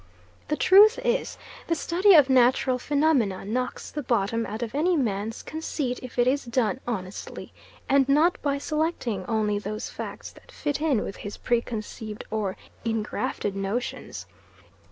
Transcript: The truth is, the study of natural phenomena knocks the bottom out of any man's conceit if it is done honestly and not by selecting only those facts that fit in with his preconceived or ingrafted notions.